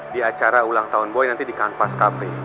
di acara ulang tahun boy nanti di kanvas cafe